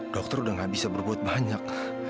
dokter udah gak bisa berbuat banyak